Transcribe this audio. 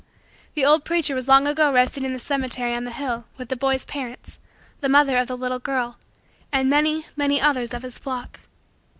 The old preacher was long ago resting in the cemetery on the hill, with the boy's parents, the mother of the little girl, and many, many, others of his flock.